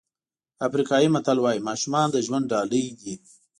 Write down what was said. افریقایي متل وایي ماشومان د ژوند ډالۍ دي.